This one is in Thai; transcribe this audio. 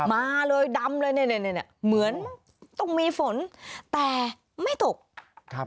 มาเลยดำเลยเหมือนต้องมีฝนแต่ไม่ตก